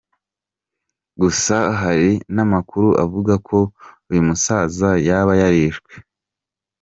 Gusa hari n’ amakuru avuga ko uyu musaza yaba yarishwe.